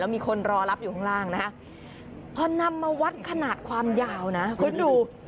มีคนรอรับอยู่ข้างล่างนะฮะพอนำมาวัดขนาดความยาวนะคุณดู